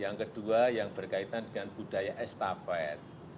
yang kedua yang berkaitan dengan budaya estafet